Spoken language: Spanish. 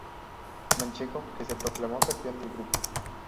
Manchego, que se proclamó campeón del grupo.